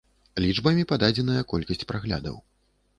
Лічбамі пададзеная колькасць праглядаў.